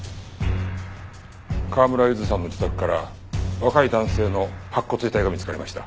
川村ゆずさんの自宅から若い男性の白骨遺体が見つかりました。